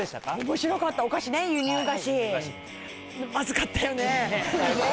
面白かったお菓子ね輸入菓子まずかったよね